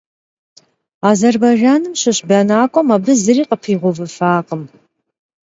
Azêrbaycanım şış benak'uem abı zıri khıpiğeuvıfakhım.